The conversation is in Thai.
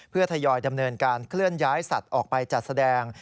เพื่อทยอยดำเนินการเคลื่อนย้ายสัตว์ออกไปจัดแสดง